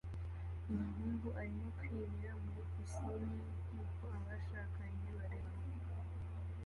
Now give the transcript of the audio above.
umuhungu arimo kwibira muri pisine nkuko abashakanye bareba